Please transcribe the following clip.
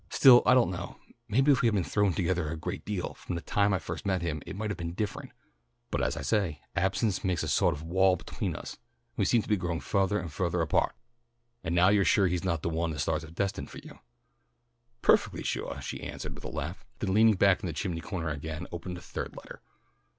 Still I don't know, maybe if we had been thrown togethah a great deal from the time I first met him, it might have been different, but as I say, absence made a sawt of wall between us and we seem to be growing farthah and farthah apart." "And now you're sure he's not the one the stars have destined for you?" "Perfectly suah," she answered with a laugh, then leaning back in the chimney corner again, opened the third letter.